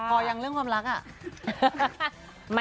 พออย่างเรื่องความรัก